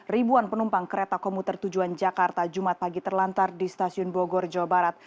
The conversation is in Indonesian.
ribuan penumpang kereta komuter tujuan jakarta jumat pagi terlantar di stasiun bogor jawa barat